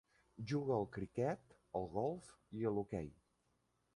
Juga al criquet, al golf i al hoquei.